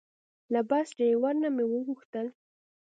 له بس ډریور نه مې وغوښتل.